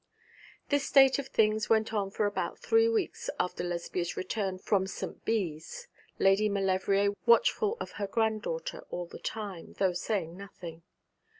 This state of things went on for about three weeks after Lesbia's return from St. Bees, Lady Maulevrier watchful of her granddaughter all the time, though saying nothing.